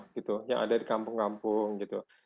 gitu yang ada di kampung kampung gitu